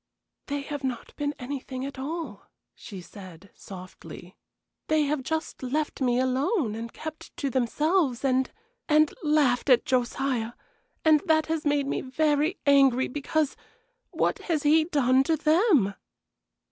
"They have not been anything at all," she said, softly; "they have just left me alone and kept to themselves, and and laughed at Josiah, and that has made me very angry, because what has he done to them?"